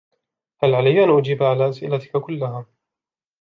هل علي أن أجيب علی أسئلتك كلها؟